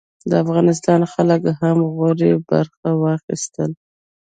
د افغانستان خلکو هم غوره برخه واخیسته.